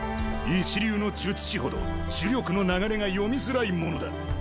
一流の術師ほど呪力の流れが読みづらいものだ。